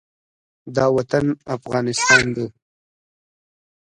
دا وطن افغانستان دی،